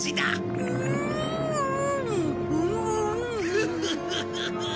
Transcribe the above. フフフフフ！